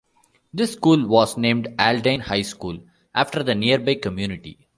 This school was named Aldine High School, after the nearby community.